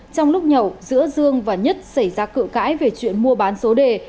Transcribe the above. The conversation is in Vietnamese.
trong lúc nhậu giữa dương và nhất xảy ra cự cãi về chuyện mua bán số đề